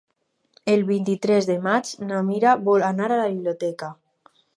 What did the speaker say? El vint-i-tres de maig na Mira vol anar a la biblioteca.